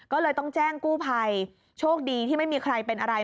ก็เลยต้องแจ้งกู้ภัยโชคดีที่ไม่มีใครเป็นอะไร